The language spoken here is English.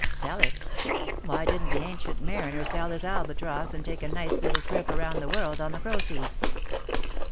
"Sell it? Why didn't the Ancient Mariner sell his albatross and take a nice little trip around the world on the proceeds?